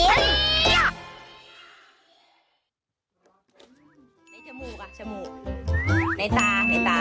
ในจมูกในตา